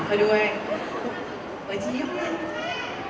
ผู้หญิงมากข์ก็ดู